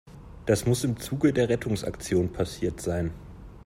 Das muss im Zuge der Rettungsaktion passiert sein.